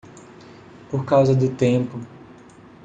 Por causa do tempo